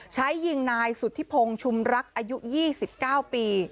ใช้ยิงนายสุธิพงศ์ชุมรักอายุ๒๙ปี